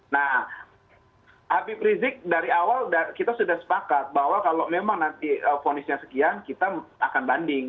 nah habib rizik dari awal kita sudah sepakat bahwa kalau memang nanti ponisnya sekian kita akan banding